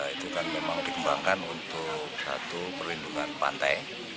itu kan memang dikembangkan untuk satu perlindungan pantai